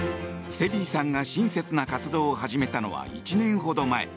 セビーさんが親切な活動を始めたのは１年ほど前。